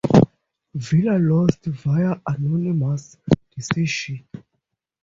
Vila lost via unanimous decision.